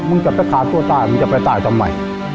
จะไปฆ่าตัวตายมึงจะไปตายทำไม